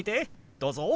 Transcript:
どうぞ。